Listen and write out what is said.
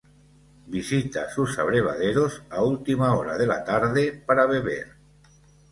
Visita sus abrevaderos a última hora de la tarde para beber.